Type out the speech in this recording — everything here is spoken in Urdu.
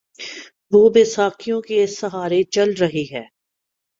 وہ بیساکھیوں کے سہارے چل رہی ہے۔